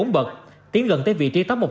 một trăm một mươi bốn bậc tiến gần tới vị trí tốc